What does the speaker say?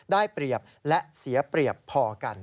ได้เปรียบและเสียเปรียบพอกัน